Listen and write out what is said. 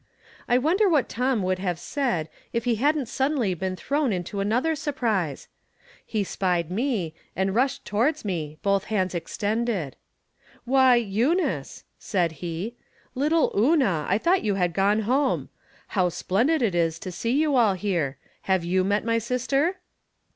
I wonder what Tom would have said, if he hadn't suddenly been thrown into another surprise ? He spied me, and rushed to wards me, both hands extended. " Why, Eunice," said he, " little Una, I thought you had gone home. How splendid it is to see you all here ! Have you met my sister